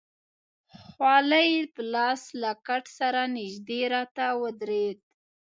خولۍ په لاس له کټ سره نژدې راته ودرېد.